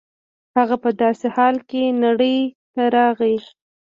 هغه په داسې حال کې نړۍ ته راغی.